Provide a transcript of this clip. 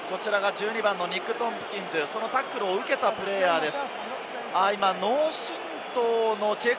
１２番のニック・トンプキンズ、タックルを受けたプレーヤーです。